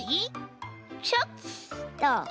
チョキと！